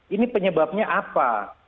ini penyebabnya apa